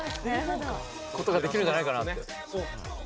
ことができるんじゃないかなって。